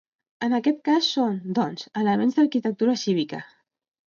En aquest cas són, doncs, elements d'arquitectura cívica.